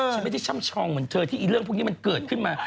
ฉันไม่ได้ช่ำชองเหมือนเธอที่เรื่องพวกนี้มันเกิดขึ้นมา